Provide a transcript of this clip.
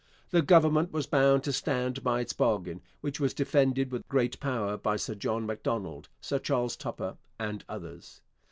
The Government was bound to stand by its bargain, which was defended with great power by Sir John Macdonald, Sir Charles Tupper, and others.